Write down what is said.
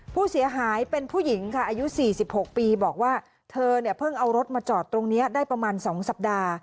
ผู้เสียหายเป็นผู้หญิงค่ะอายุ๔๖ปีบอกว่าเธอเนี่ยเพิ่งเอารถมาจอดตรงนี้ได้ประมาณ๒สัปดาห์